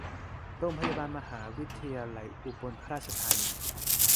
โรงพยาบาลมหาวิทยาลัยอุบลราชธานี